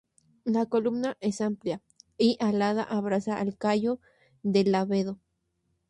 La columna es amplia y alada abraza al callo del labelo.